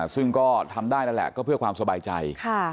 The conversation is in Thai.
ซึ่งก็ทำได้แล้วแหละก็เพื่อสบายใจ